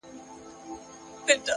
نیکي له شهرت پرته هم ځلېږي,